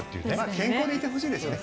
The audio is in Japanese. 健康でいてほしいですよね。